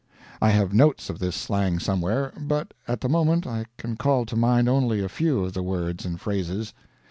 I have notes of this slang somewhere, but at the moment I can call to mind only a few of the words and phrases.